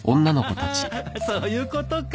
アハハそういうことか。